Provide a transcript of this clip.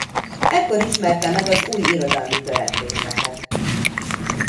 Ekkor ismerte meg az új irodalmi törekvéseket.